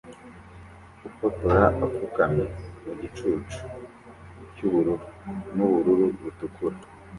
Ufotora apfukamye mu gicucu cyubururu nubururu butukura